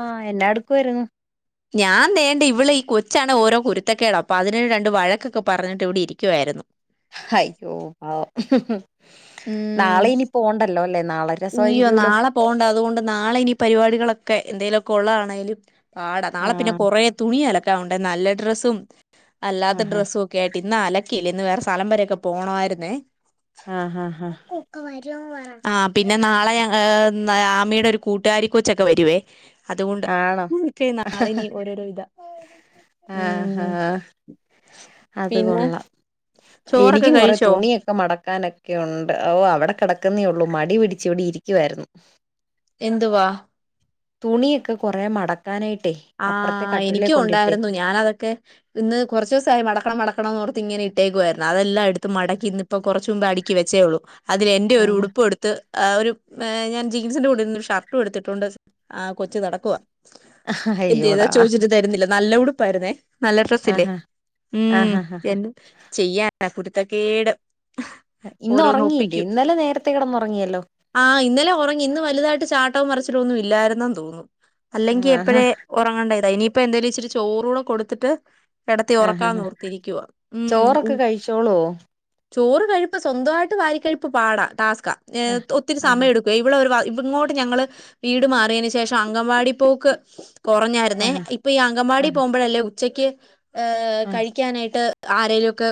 ആഹ്, എന്നാ എടുക്കുവാരുന്നു? ഞാൻ ദേണ്ടെ ഇവള് ഈ കൊച്ചാണ് ഓരോ കുരുത്തക്കേട് അപ്പ അതിനെ രണ്ട് വഴക്കൊക്കെ പറഞ്ഞിട്ട് ഇവിടെ ഇരിക്കുവായിരുന്നു. അയ്യോ പാവം, ഹ് ഹ് നാളെയിനി പോവണ്ടല്ലോലെ, നാളെ ഇയ്യോ രസമായിരിക്കൂലോ നാളെ പോവണ്ട അതുകൊണ്ട് നാളെ ഇനി പരിപാടികളൊക്കെ എന്തെലുക്കെ ഒള്ളതാണെലും പാട, നാളെ പിന്നെ ആഹ് കൊറേ തുണി അലക്കാൻ ഉണ്ട് നല്ല ഡ്രസ്സും അല്ലാത്ത ആഹ് ഡ്രസ്സു ഒ ക്കേ ആയിട്ട് ഇന്ന് അലക്കിയില്ല. ഇന്ന് വേറെ സലം വെരെയൊക്കെ പോവണവായിരുന്നേ. ആഹ്, ആഹ്, ആഹ്. ആ പിന്നെ നാളെ ഞങ് ഏഹ് ആമിയുടെ ഒരു കൂട്ടുകാരി കൊച്ചൊക്കെ വരുവേ, അതുകൊണ്ട് ആണോ [unintelligible] നാളെയിനി ഓരോരോ ഇതാ. ആഹ്, ഹാ ഉം അത് പിന്നെ കൊള്ളാം. ചോറൊക്കെ എനിക്കും കൊറെ കഴിച്ചോ തുണിയൊ ക്കെ മടക്കാനൊക്കെ ഉണ്ട്. ഓഹ്, അവടെ കെടക്ക്ന്നേയൊള്ളൂ മടി പിടിച്ച് ഇവിടെ ഇരിക്കുവായിരുന്നു. എന്തുവാ തുണിയൊക്കെ കൊറെ മടക്കാനായിട്ടേ അപ്പുറത്തെ ആഹ്, കട്ടിലേ എനിക്കു ഉണ്ടായിരുന്നു കൊണ്ടിട്ടേക്കും ഞാന് അതൊക്കെ ഇന്ന് കുറച്ചൂസായി മടക്കണം മടക്കണംന്നോർത്ത് ഇങ്ങനെ ഇട്ടേക്കുവായിരുന്നു അതെല്ലാം എടുത്ത് മടക്കി ഇന്ന്പ്പ കുറച്ചു മുമ്പേ അടി ക്കി വെച്ചേയുള്ളൂ, അതിൽ എന്റെ ഒരു ആഹ് ഉടുപ്പൂ എടുത്ത് അഹ് ഒരു ഞാൻ ജീൻസിൻ്റെ കൂടെട്ന്ന ഒരുഷർടൂ എടുത്തിട്ടോണ്ട് ആഹ് കൊച്ച് നടക്കുവാ എന്തേയ്താ അയ്യോടാ ചോയിച്ചിട്ട് തരുന്നില്ല നല്ല ഉടുപ്പായിരുന്നേ നല്ല ഡസ്സില്ലേ ആഹാ ഉം ആഹാ എന്ന ചെയ്യാന കുടുത്തക്കേട് ഇന്നൊറങ്ങിയില്ലേ ഇന്നലെ നേരത്തെ കെടന്നൊറങ്ങിയല്ലോ ആഹ് ഇന്നലെ ഒറങ്ങി ഇന്ന് വല്തായിട്ട് ചാട്ടോമ്മറിച്ചിലൊന്നും ഇല്ലായിരുന്നന്ന് തോന്നുന്നു അല്ലെങ്കി ആഹാ എപ്പഴേ ഓങ്ങണ്ടതാ ഇനിയിപ്പ എന്തേലും ഇച്ചിരി ചോറൂടെ കൊടുത്തിട്ട് കെടത്തി ആഹാ ഒറക്കാന്ന് ഓർത്തിരിക്കുവ ഉം ഉ ചോറൊക്കെ കഴിച്ചോളുവോ ചോറ് കഴിപ്പ് സ്വന്തവായിട്ട് വാരികഴിപ്പ് പാടാ ടാസ്കാ ആഹ് ഒത്തിരി ആഹാ സമയെടു ഇവടെ ഒരു വാ ഇങ്ങോട്ട് ഞങ്ങള് വീട് മാറിയതിനന് ശേഷം അങ്കൻവാടി പോക്ക് കുറഞ്ഞായിരുന്നേ ആഹാ ഇപ്പൊ ഈ അങ്കൻവാടീ ആഹ് പോമ്പഴല്ലേ ഉച്ചയ്ക്ക് ഏ ആഹ് കഴിക്കാനായിട്ട് ആരേലൊക്കെ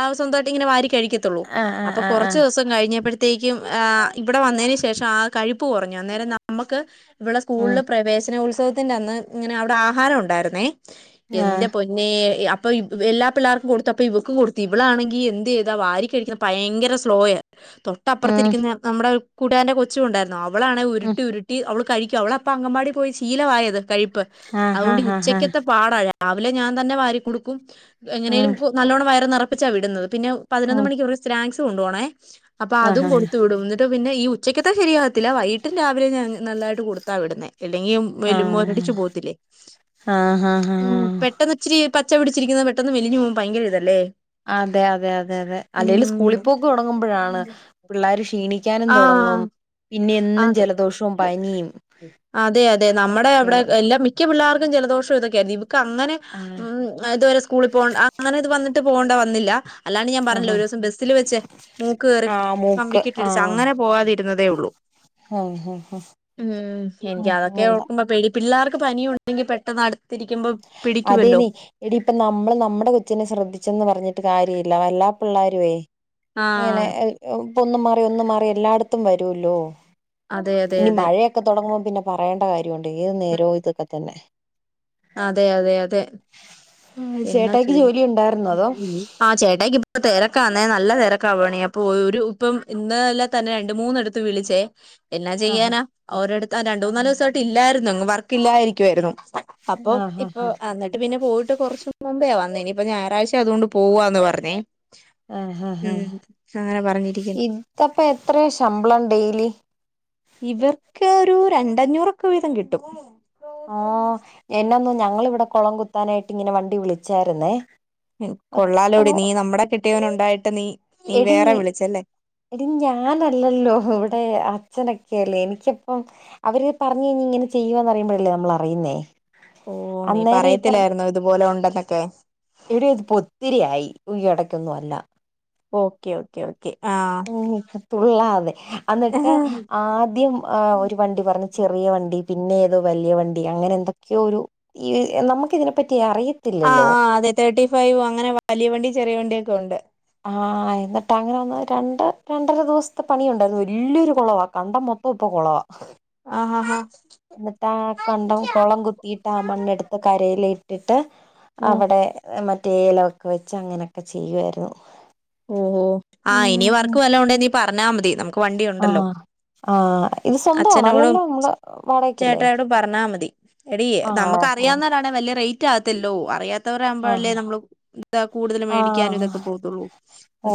ആഹ് സ്വന്തവായിട്ട് ഇങ്ങനെ വാരി കഴിക്കത്തുള്ളൂ ആഹ് അപ്പൊ ക്കൊറച്ച് ആഹ് ദിവസ കഴിഞ്ഞപ്പോഴത്തേക്കും ങ് ഇവടെ വന്നതിന് ശേഷം ആഹ് കഴിപ്പ് കൊറഞ്ഞു അന്നേരം നമ്മക്ക് ഇവളെ ആഹ് ആഹ് ഉം സ്കൂളില് പ്രവേശനത്സവത്തിന്റെ അന്ന് ഇങ്ങനെ അവ്ടെ ആഹാര ഒണ്ടായിര്ന്നേ ആഹ് എന്റെ പൊ നേ അപ്പ എല്ലാ പിള്ളാർക്കും കൊടുത്തപ്പൊ ഇവക്ക് കൊടുത്ത് ഇവളാണെങ്കി എന്ത് ചെയ്താ വാരിക്കഴിക്ക ഭയങ്കര സ്ലോയ തൊ ഉം ട്ടപ്പറത്തിരിക്ക്ന്നെ നമ്മടെ കൂടുകാരന്റെ കൊച്ചൂണ്ടായിരുന്നു ഇവളാണെ ഉം ഉരുട്ടി ഉരുട്ടി ഇ അവള് കഴിക്കുവ അവള അപ്പ അങ്കമ്പാടി പോയി ശീലമായത് കഴിപ്പ് ആഹ് അതുകൊണ്ട് ആഹ് ആഹ് ആഹ് ഉച്ചക്കത്തെ പാടാ രാവിലെ ഞാൻ തന്നെ വാരി കൊടുക്കും എങ്ങനേലും ഉം നല്ലോണ്ണം വയറി നെറപ്പിച്ചാ വിടുന്നത് പിന്നെ പതിനൊന്ന് ഉം മണിക്ക് സ്നാങ്ക്സ് കൊണ്ടുപോണേ അപ്പൊ അതും ആഹ് കൊടുത്തു വിടും പിന്നെ ഉച്ചക്കത്തെ ശരിയാകത്തില്ല വൈിട്ടും രാവിലെ ഞാൻ നല്ലായിട്ട് കൊടുത്താ വിടുന്നേ ഇല്ലെങ്കി വരുമ്പ ആഹ് ടിച്ച് പോവത്തില്ലെ ആഹ് ആഹ് ഉം പെട്ടെന്ന് ഇച്ചിരി പച്ച പിടിച്ചിരിക്കുന്നെ പെട്ടെന്ന് മെലിഞ് പോക്പ ഭയര ഇല്ലേ അതെ അതെ അതെ അതെ അല്ലെങ്കിൽ സ്കൂളിപ്പോക്ക് തെടങ്ങുമ്പഴാണ് പിള്ളേര് ക്ഷീണിക്കാനും തുടങ്ങും ആഹ് പിന്നെ എന്നും അതെ ജലദോഷവും പനിയും ഒക്കെയവും ല്ല മിക്ക പിള്ളാർക്കും ജലദോഷം ഇതൊക്കെയായ ഇവക്ക് അങ്ങനെ ആഹ് ഉം ഇതുവരെ സ്കൂളി പോകണ്ട അങ്ങനെ ഇത് വന്നിട്ട് പോകേണ്ട വന്നില്ല അല്ലാണ്ട് ഞാൻ പറഞ്ഞില്ലെ ആഹ് ഒരുസം ബസ്സിൽ വെച്ച് മൂക്ക് കേറി ആഹ് മൂക്ക് പമ്പിക്കിട്ടിടിച്ച് ആഹ് അങ്ങനെ പോവാതിരുന്നതേ ഉള്ളൂ ഹ ഹ ഉം എനിക്ക് അതൊക്കെ ഓർക്കുമ്പോ പെടി പിള്ളേർക്ക് പനിയുണ്ടെങ്കി പെട്ടെന്ന് അടുത്തിരിക്കുമ്പോ പിടിക്കുവല്ലോ അതേന്നെ എടി ഇപ്പ നമ്മൾ നമ്മുടെ കൊച്ചിനെ ശ്രദ്ധിച്ചെന്ന് പറഞ്ഞിട്ട് കാര്യ ഇല്ല എല്ലാ പിള്ളേരുവേ ഇങ്ങനെ ആഹ് ഇപ്പൊ ഒന്നും മാറി ഒന്നും മാറി എല്ലായിടത്തും വരൂ വല്ലോ അതെ അതെ ഇനി അതെ മഴയൊക്കെ തുടങ്ങുമ്പ പിന്നെ പറയേണ്ട കാര്യമുണ്ട് ഏതു നേരവു ഇതൊക്കെ തന്നെ അതെ അതെ അതെ ആഹ് ചേട്ടയ്ക്ക് ജോലി ഉണ്ടായിര്ന്നൊ അതോ ആഹ് ചേട്ടയിക്ക് ഇപ്പ തിരക്കാന്നേ നല്ല തിരക്കാവേണേ അപ്പൊ ഒരു ഇപ്പം ഇന്ന് നല്ല തന്നെ രണ്ട് മൂന്നെടുത്ത് വിളിച്ചേ എന്ന ആഹാ ചെയ്യാനാ ഓരോടുത്ത രണ്ട് മൂന്നാല് ദിവസയിട്ട് ഇല്ലായിരുന്നു വർക്ക് ഇല്ലായിരിക്കുവായിരുന്നു അപ്പൊ ആഹാ ഇപ്പൊ എന്നിട്ട് പിന്നെ പോയിട്ട് കുറച്ച് മുമ്പോ വന്നേ ഇനിയിപ്പൊ ഞായറാഴ്ച അതുകൊണ്ട് പോവവാന്ന് പറഞ്ഞേ ആഹാ ഹാ ഉം അങ്ങനെ പറഞ്ഞിരിക് ഇതപ്പ എത്രയോ ശമ്പളം ഡെയിലി ഇവർക്ക് ഒരു രണ്ടഞ്ഞൂറൊക്കെ വീതം കിട്ടും ആഹ് എന്നൊന്നു ഞങ്ങളിവിടെ കുളം കുത്താനായിട്ട് ഇങ്ങനെ വണ്ടി വിളിച്ചായിര്ന്നേ കൊള്ളാലോടി നീ നമ്മുടെ കിട്ടിയവനുണ്ടായിട്ട് നീ നീ എടീ വേറെ വിളിച്ചല്ലേ എടി ഞാനല്ലല്ലോ ഇവിടെ അച്ഛനൊക്കെയല്ലേ എനിക്കിപ്പം അവര് പറഞഴിഞ് ഇങ്ങനെ ചെയ്യുവന്നറിയുമ്പോഴല്ലേ നമ്മള് അറിയുന്നേ ഓഹ് നീ അന്നേരം ഈ പറയത്തില്ലായിരുന്നോ ഇതുപോലെ ഉണ്ടെന്നൊക്കെ എടീ ത് പൊത്തിരിയായി ഇടയ്ക്കൊന്നു അല്ല ഓക്കെ ഓ ക്കെ ഓക്കേ ആഹ് ഉം തുള്ളാതെ അന്നിട്ട് ആഹ് ആദ്യം ആഹ് ഒരു വണ്ടി പറഞ്ഞു ചെറിയ വണ്ടി പിന്നെ ഏതോ വല്യ വണ്ടി അങ്ങനെ എന്തൊക്കെയോ ഒരു ഈ നമുക്ക് ഇതിനെപ്പറ്റി അറിയ ആഹ് ആഹ് അതെ തേർട്ടി ഫൈവ് അങ്ങനെ വലിയ വണ്ടി ചെറിയ വണ്ടിയൊക്കെ ഉണ്ട് ആഹ് എന്നിട്ട് അങ്ങനെ വന്ന രണ്ട രണ്ടര ദിവസത്തെ പണിയ ഉണ്ടായിരുന്നു വലിയൊരു കുളവ കണ്ടം മൊത്തം ഇപ്പ കുളവ ആ [unintelligible] ആഹ് ആഹ് ആഹ് എന്നിട്ടാ കണ്ടം കുളം കുത്തീട്ട് ആ മണ്ണെടുത്ത് കരയിലിട്ടിട്ട് ഉം അവടെ മറ്റേ ഏലൊക്കെ വെച്ച് അങ്ങനെയൊക്കെ ചെയ്യുവായിരുന്നു ഓഹോ ആ ഇനിയും അവർക്ക് ഉം വല്ല ഉണ്ട നീ പറഞ്ഞാൽ മതി നമു ആഹ് ആഹ് ഇത് സ്വന്താണോ അച്ഛനോടും അല്ലല്ലോ നമ്മള് വാടകക്കല്ലേ ചേട്ടായോടും പറഞ്ഞാ മതി എടീ ആഹ് നമുക്ക് ആഹ് അറിയാവുന്നരാണ വല്യ റേറ്റ് ആകത്തില്ലോ അറിയാ തൊറ ആവ്മ്പഴല്ലേ ആഹ് നമ്മള് ഇത കൂട്തല് മേടിക്കാന് ആഹ് ഇതൊക്ക പോത്തുള്ളൂ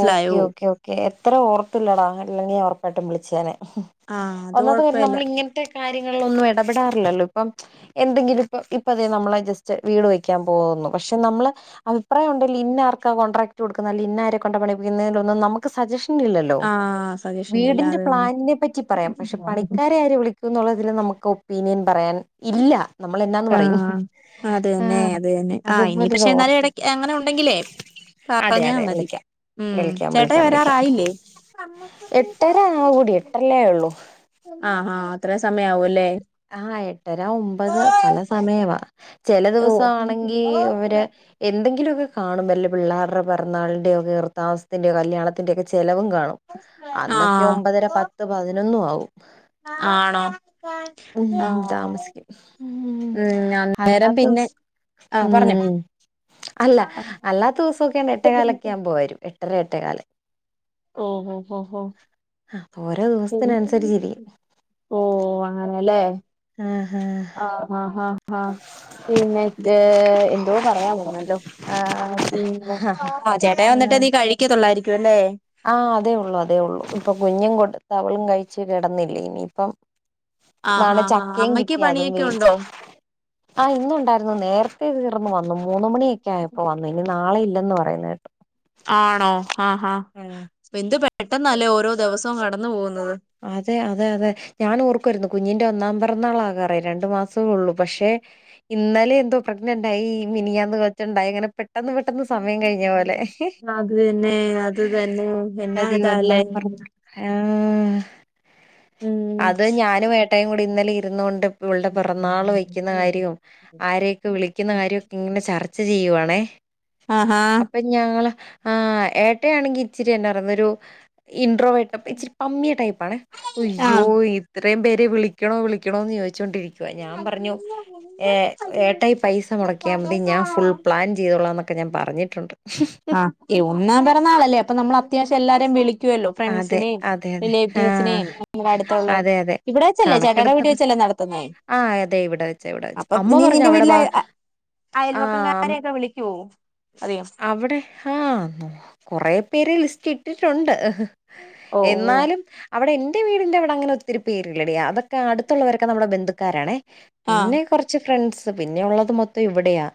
ഓക്കെ ഓക്കെ ഓക്കെ എത്ര ഓർത്ത്ല്ലടാ ഇല്ലങ്കി ഒറപ്പായ്ട്ടും വിളിച്ചെനെ ആഹ് അത് ഒന്നാത്ത കാര്യം കൊഴപ്പല്ല നമ്മള് ഇങ്ങൻത്ത കാര്യങ്ങൾലൊന്നും എടപെടാറില്ലല്ലോ ഇപ്പം എന്തങ്കിലുംപ്പ ഇപ്പതെ നമ്മളെ ജസ്റ്റ് വീട് വെക്കാം പോവുന്നു പക്ഷെ നമ്മള് അഭിപ്രായം ഉണ്ടെ ലിന്നാർക്ക കോൺട്രക്ട് കൊട്ക്ക്ന്നെ അല്ലെ ഇന്നാരെ കൊണ്ട പണിയ്പ്പിക്കുന്നെനൊന്നും നമ്മക്ക് സജഷ് നില്ലല്ലോ ആഹ് സജഷൻ ഇല്ല വീട്ന്റ അത് പ്ലാൻനെ പറ്റി പറയാം പക്ഷെ തന്നെ പണിക്കാരെ ആര് വിളി ക്കുംന്നൊള്ളതില് നമക്ക് ഒപ്പീനിയൻ പറയാൻ ഇല്ല നമ്മളെന്നാന്ന് പറയും ആഹ് അത് ആഹ് അതുപോലിത് ഓർത്ത് യെ അങ്ങന ഉണ്ടങ്കിലേ അതെ പറഞ്ഞാ അതെ മതി വിളിക്കാം ഉം വിളിക്കാം ചേട്ടായി വിളിക്കാം വിളിക്കാം വരാറായില്ലേ എട്ടര ആവുടി എട്ടല്ലേ അയ്ള്ളൂ ആഹ് ആഹ് ത് ആഹ് എട്ടര ഒമ്പത് പല സമയവാ ചെല ഓ ദിവസാണെങ്കി ഇവര് എന്തെങ്കിലൊക്ക കാണും വല്ല പിള്ളാറ പെറന്നാൾന്റെയോ കെർതാമസത്തിന്റയോ കല്യാത്തിന്റെക്ക ചെലവും കാണും അന്നക്കെ ആഹ് ഒമ്പതര പത്ത് പതിനൊന്നു ആവും ആണോ ഉം ആഹ് താമസിക്കും ഉം അന്നേരം അല്ലാത്തൊസം പിന്നെ ആഹ് പറഞ്ഞോ അല്ല അല്ലാത്തോസൊക്കെ എട്ടെകാലക്കെ ആമ്പോ വെരും എട്ടര എട്ടെകാല് ഓഹ് ഹൊ ഹൊ [inaudible] ഓരോ ദിവസത്തിനനുസരിച്ചിരിക്കും ഓഹ് അങ്ങനല്ലേ ഏഹ് ഏഹ് ആഹ് ഹാ ഹാ ഹാ പിന്നെ ത് എന്തോ പറയാവന്നല്ലോ ആ ചേട്ടായി വന്നട്ട് ആഹ് നീ കഴിക്കത്തൊള്ളാരിക്കുവല്ലേ ആഹ് അതേ ഉള്ളു അതേ ഉള്ളു ഇപ്പ കുഞ്ഞും കൊട് [unintelligible] കയ്ച്ച് കെടന്നില്ലേനിപ്പം ആഹ് നാല് ആഹ് ആഹ് ചക്കേം അമ്മയ്ക്ക് കിട്ടി അതും പണിയൊക്കെ വേവിച്ച് ഉണ്ടോ? ആഹ് ഇന്നുണ്ടാർന്ന് നേർത്തെ തീർന്ന് വന്ന് മൂന്ന് മണിയെക്കെ ആയപ്പം വന്ന് ഇനി നാളെ ഇല്ലെന്ന് പറയ്ന്നെട്ട് ആണോ ഹാഹ് ഹാഹ് [unintelligible] എന്ത് പെട്ടന്നാല്ലേ ഓരോ ദെവസോം കടന്നു പോക്ന്നത് അതെ അതെ അതെ ഞാനും ഓർക്കുവാര്ന്നു കുഞ്ഞ്ന്റ ഒന്നാം പെറന്നാളാകാറായ് രണ്ട് മാസെ ഉള്ളൂ പക്ഷെ ഇന്നലെ എന്തോ പ്രഗ്നന്റായി ഈ മിനിയാന്ന് കൊച്ചോണ്ടായ് അങ്ങന പെട്ടന്ന് പെട്ട പെട്ടന്ന് സമയം കയ്ഞ്ഞ പോലെ അത് തന്നെ അത് തന്നെ എന്നാ ഇപ്പതീ ഇതാല്ലേ ഒന്നാം പെറന്നാള് ഹാഹ് ഉം അത് ഞാനും ഏട്ടായ് കുടി ഇന്നലെ ഇരുന്നോണ്ട് ഇപ്പ ഇവൾടെ പെറന്നാൾ കഴിക്കുന്ന കാര്യവും ആരെക്ക വിളിക്കുന്ന കാര്യോക്ക്ങ്ങനെ ചർച്ച ചെയ്യുവാണെ ആഹാ ഞങ്ങള് ആഹ് ഏട്ടയാണെങ്കി ഇച്ചിരി എന്നാ പറേന്ന ഒരു ഇൻട്രോ വേർട്ടാ അപ്പ ഇച്ചിരി പമ്മിയ ടൈപ്പാണേ ഉയ്യോ ആഹ് ഇത്രേം പേരെ വിളിക്കണോ വിളിക്കണോന്ന് ചോയ്ച്ചോണ്ടിരി ക്കുവ ഞാം പറഞ്ഞു ഏ ഏട്ടായി പൈസ മൊടക്കിയാമതി ഞാ ഫുൾ പ്ലാൻ ചെയ്തോളാന്നെക്കെ ഞാ പറഞ്ഞിട്ടുണ്ട് ആഹ് കെ ഒന്നാം പെറന്നാളല്ലേ അപ്പ നമ്മളത്യാവശ്യം എല്ലാവരേം വിളി ക്കുവല്ലോ അതെ ഫ്രണ്ട്സിനേം അതെ അതെ റിലേറ്റീവ്സിനെ ആഹ് നമ്മ്ട അട്ത്തൊള്ള അതെ അതെ ഇവ്ട വെച്ചല്ലേ ചേട്ടാടെ വീട്ടി കണക്കെടുത്തപ്പോ വെച്ച് ചല്ലേ നടത്ത്ന്നെ ആഹ് അതെ ഇവ്ട വെച്ച ഇവട വെച്ച അമ്മ പറഞ്ഞ് അവ്ട വാ അയൽവക്കം ആഹ് കാരെക്ക വിളിക്കുവോ അറിയോ ആഹ് കൊറെ പേരെ ലിസ്റ്റ് ഇട്ടിട്ടൊണ്ട് ഓഹ് ഓഹ് എന്നാലും അവട എന്റ വീടിന്റ അവ്ടങ്ങന ഒത്തിരി പേരില്ലടി അതെക്ക അട്ത്തൊള്ളവരൊക്ക നമ്മട ബന്ധുക്കാരാണേ ആഹ് പിന്നെ കൊറച്ച് ഫ്രണ്ട്സ് പിന്നെ ഒള്ളത് മൊത്തം ഇവ്ടെയാ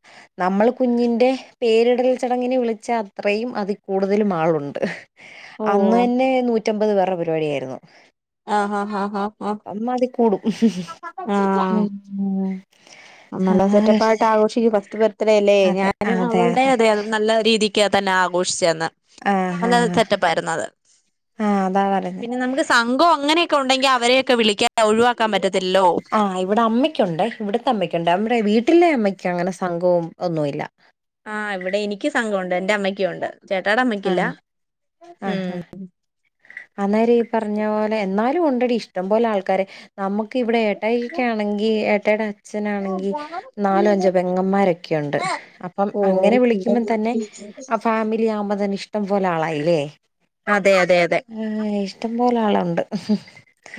നമ്മൾ കുഞ്ഞിന്റെ പേരിടൽ ചടങ്ങിന് വിളിച്ചാ അത്രയും അതി കൂടുതലും ആളുണ്ട് ഓ ഇന്ന് തന്നെ നൂറ്റമ്പത് പേരുടെ പരിപാടിയായിരുന്നു ആഹ് ഹാഹ് ആഹ് അപ്പം അതി കൂടും ആഹ് ആഹ് ഉം ഉം ആ നല്ല സെറ്റപ്പ് ആയിട്ട് ആഘോഷിക്ക് ഫസ്റ്റ് ബർത്ത് ഡേ അല്ലേ അതെ ഞാനും അതെ അവളുടെ അതെ അത് നല്ല രീതിക്ക് തന്നെ ആഘോഷിച്ചന്ന് ആ ആ നല്ല സെറ്റപ്പായിരുന്നു അത് ആ അതാ പറഞ്ഞെ. പിന്നെ നമുക്ക് സംഘം അങ്ങനെയൊക്കെണ്ടെങ്കി അവരെയൊക്കെ വിളിക്കാ ഒഴിവാക്കാൻ പറ്റത്തില്ലല്ലോ ആഹ് ഇവിടെ അമ്മയ്ക്കുണ്ട് ഇവിടത്തെ അമ്മയ്ക്കുണ്ട് നമ്മടെ വീട്ടിലെ അമ്മയ്ക്ക് അങ്ങനെ സംഘവും ഒന്നുല്ല ആഹ് ഇവിടെ എനിക്ക് സംഘംണ്ട് എന്റെ അമ്മയ്ക്കുണ്ട് [unintelligible] ആഹ് ഉം ആഹാ അന്നേര ഈ പറഞ്ഞ പോലെ എന്നാലും ഉണ്ടടി ഇഷ്ടം പോലെ ആൾക്കാരെ നമക്ക് ഇവിടെ ഏട്ടായിക്കെ ആണെങ്കിൽ ഏട്ടായിടെ അച്ഛനാണെങ്കി നാലോ അഞ്ചോ പെങ്ങന്മാരൊക്കെയുണ്ട് അപ്പം അങ്ങനെ വിളിക്കുമ്പ തന്നെ ആ ഫാമിലി ആവുമ്പോ തന്നെ ഇഷ്ടം പോലെ ആളായില്ലേ അതെ അതെ അതെ ആഹ് ഇഷ്ടം പോലെ ആളുണ്ട്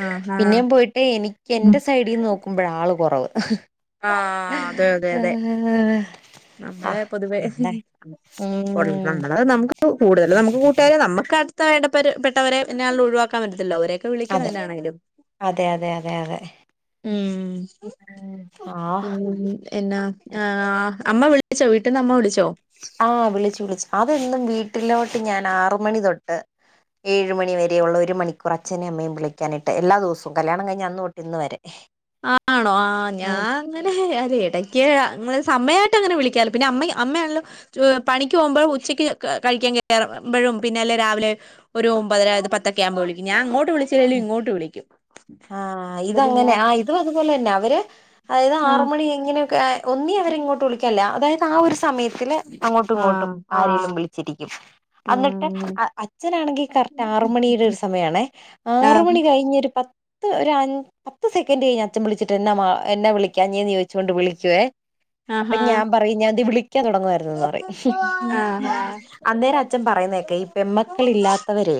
ആഹ് ആഹ് പിന്നെ പോയിട്ട് എനിക്ക് എന്റെ സൈഡിന്ന് നോക്കുമ്പഴ ആള് കുറവ് ആഹ് അതെ അതെ അതെ ആഹ് ആ നമ്മുടെ പൊതുവേ എന്താ ഉം നമ്മള് നമുക്ക് കൂടുതല് നമുക്ക് കൂട്ടുകാരും നമുക്കടുത്ത ഇടപ്പെട്ടവരെന്നെള ഒഴിവാക്കാൻ പറ്റത്തില്ലോ അവരക്കെ അതെ അതെ അതെ അതെ അതെ ഉം ഉം ആഹ് പിൻ എന്നാ ആ അമ്മ വിളിച്ചോ വീട്ടിൽന്ന്മ്മ വിളിച്ചോ ആഹ് വിളിച്ചു വിളിച്ചു അതും വീട്ടിലോട്ട് ഞാൻ ആറ് മണി തൊട്ട് ഏഴ് മണി വരെയുള്ള ഒരു മണിക്കൂർ അച്ഛനെ അമ്മയും വിളിക്കാനിട്ട് എല്ലാ ദിവസവും കല്യാണം കഴിഞ്ഞ് അന്ന് തൊട്ട് ഇന്ന് വരെ ആണോ ആഹ് ഞാൻ അങ്ങനെ അതേ ഇടയ്ക്ക് സമയമായിട്ട് അങ്ങനെ വിളിക്കാലോ പിന്നെ അമ്മ അമ്മയാണല്ലോ പണിക്ക് പോകുമ്പോഴ് ഉച്ചയ്ക്ക് കഴിക്കാൻ കയറുമ്പോഴും പിന്നെ അല്ലേ രാവിലെ ഒരു ഒമ്പതരത്പത്തൊക്കെകുമ്പോ വിളിക്കു ഞാ അങ്ങോട്ട് വിളി ചിലും ഇങ്ങോട്ട് വിളിക്കും അതില് ഞാൻ അത് അതുപോലെ തന്നെ അവര് അതായത് ആറ ആഹ് മണി എങ്ങനെക്കെ ഒന്നി അവരെ ഇങ്ങോട്ട് വിളിക്കില്ല അതായത് ആ ഒരു സമയത്തില് അങ്ങോട്ടും ഇങ്ങോട്ടും ആഹ് ആരെലും വിളിച്ചിരിക്കും ആഹ് ന്നിട്ട് അങ്ങനെ അച്ഛനാണെങ്കിൽ കറക്റ്റ് ആറ് മണിയുടെ ഒരു സമയാണേ ആറ് ആഹ് മണി കഴിഞ്ഞൊരു പത്ത് ഒരു പത്ത് സെക്കൻഡ് കഴിഞ്ഞ് അച്ഛൻ വിളിച്ചിട്ട് എന്താ എന്നെ വിളിക്കാഞീന്ന് ചോദിചോണ്ട് വിളിക്കുവേ അപ്പൊ ആഹാ ഞാൻ പറയും ഞാൻ ദേ വിളിക്കാൻ തുടങ്ങുവായിരുന്ന്ന്ന് പറയും ആഹ് ആഹ് അന്നേരം അച്ഛൻ പറയുന്നേക്കെ ഈ പെൺ മക്കളിഇല്ലാത്തവര്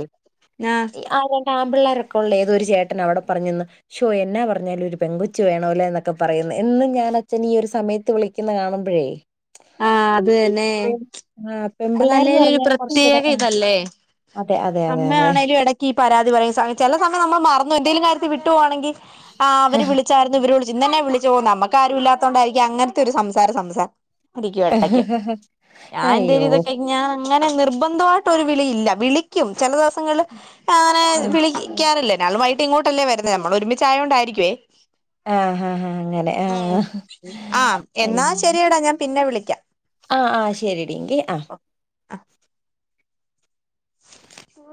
ആഹ് ആ രണ്ട് ആൺ പിള്ളേരൊക്ക ഉള്ള ഏതൊരു ചേട്ടന അവിടെ പറഞ്ഞന്ന് ഷോ എന്നാ പറഞ്ഞാലും ഒരു പെങ്കച്ചു വേണോല്ല എന്നൊക്കെ പറയുന്നു എന്ന് ഞാൻ അച്ഛൻ ഈ ഒരു സമയത്ത് വിളി ക്കുന്ന കാണുമ്പഴേ ആഹ് അത് തന്നെ ആ അത് പെമ്പിള്ളേർന്ന് അല്ലേലും ഒരു പറഞ്ഞാൽ കുറച്ചൂടെ പ്രത്യേക ഇതല്ലേ അതെ അതെ അതെ അമ്മ അതെ ആണേലും ഇട ഈ പരാതി പറയുന്ന സയ ചില സമയം നമ്മൾ മറന്നു എന്തെങ്കും കാര്ത്തിൽ വിട്ടുവാണെങ്കിൽ് അവര് വിളിച്ചായിരുന്നു ഇവരോട് ജിന്നെ വിളിച്ചു നമുക്ക ആരും ഇല്ലത്ത കൊണ്ടായിരിക്ക അങ്ങനത്തെ ഒരു സംസാരം സംസാരം ഇരിക്ക എടക് ഞാൻ അയ്യോ എന്തേലും ഞാൻ അങ്നെ നിർബന്ധമായിട്ട ഒരു വിളയില്ല വിളിക്കും ചില ദിവസങ്ങളിൽ അങ്ങനെ ആ വിളി വിക്കാറില്ല നളമായിട്ട ഇങ്ങോട്ടല്ലേ വരുന്നത് നമ്മൾ ഒരുമിച്ചായോണ്ടായിരിക്കുവേ ആ ആ അങ്ങനെ ആ ഉം ആഹ് എന്നാ ശരിയടാ ഞാൻ പിന്നെ വിളിക്കാം ആഹ് ആഹ് ശരിയടിങ്കി ആഹ് [unintelligible] [unintelligible]